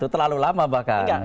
terlalu lama bahkan